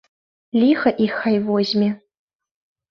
Ліха іх хай возьме!